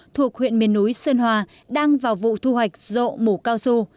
thuộc huyện miền núi sơn hòa đang vào vụ thu hoạch rộ mũ cao su